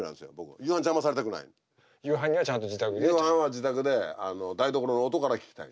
夕飯は自宅であの台所の音から聞きたい。